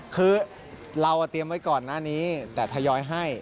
คือเราเตรียมไว้ก่อนหน้านี้แต่ทยอยให้